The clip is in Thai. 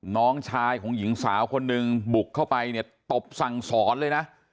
น้องชายของหญิงสาวคนหนึ่งบุกเข้าไปเนี่ยตบสั่งสอนเลยนะ